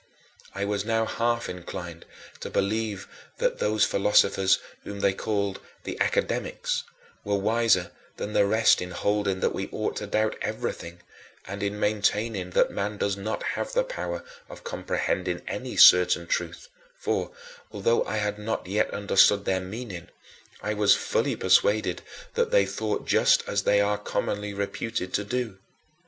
I was now half inclined to believe that those philosophers whom they call "The Academics" were wiser than the rest in holding that we ought to doubt everything, and in maintaining that man does not have the power of comprehending any certain truth, for, although I had not yet understood their meaning, I was fully persuaded that they thought just as they are commonly reputed to do.